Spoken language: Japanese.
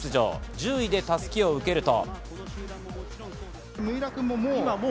１０位で襷を受けると。